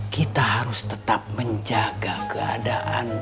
kita harus tetap menjaga keadaan